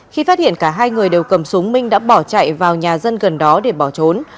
khi phát hiện cả hai người đều cầm súng minh đã bỏ chạy vào nhà dân gần đó để bỏ trốn